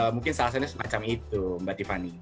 mungkin salah satunya semacam itu mbak tiffany